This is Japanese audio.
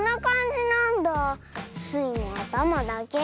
スイもあたまだけ。